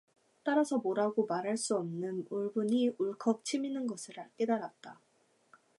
따라서 뭐라고 말할 수 없는 울분이 울컥 치미는 것을 깨달았다.